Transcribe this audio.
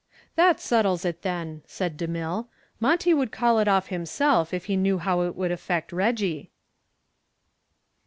"That settles it, then," said DeMille. "Monty would call it off himself if he knew how it would affect Reggie."